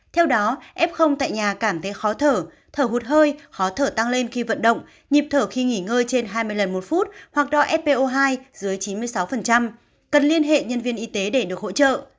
theo đó f tại nhà cảm thấy khó thở thở hụt hơi khó thở tăng lên khi vận động nhịp thở khi nghỉ ngơi trên hai mươi lần một phút hoặc đo fpo hai dưới chín mươi sáu cần liên hệ nhân viên y tế để được hỗ trợ